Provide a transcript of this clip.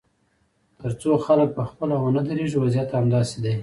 تر څو خلک پخپله ونه درېږي، وضعیت همداسې دی.